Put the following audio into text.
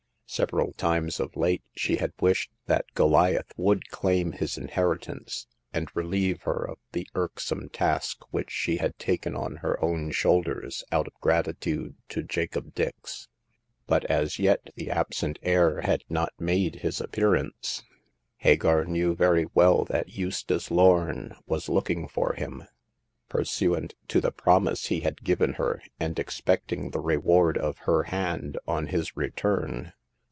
Several times of late she had wished that Goliath would claim his heritage, and relieve her of the irksome task which she had taken on her own shoulders, out of gratitude to Jacob Dix. But as yet the absent heir had not made his appearance. Hagar knew very well that Eustace Lorn was looking for him. Pursuant to the promise he had given her, and expecting the reward of her hand on his return.